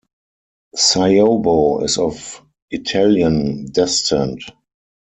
Ciobo is of Italian descent.